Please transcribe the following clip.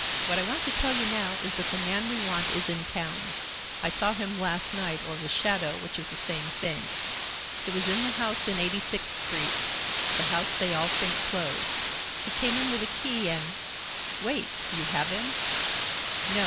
What I want to tell you now is that the man we want is in town. I saw him last night, or his shadow, which is the same thing. It was in the house in Eighty sixth Street,—the house they all think closed. He came in with a key and—" "Wait! You have him?" "No.